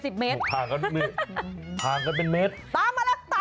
สุดท้ายเอาเข้าเส้นชัย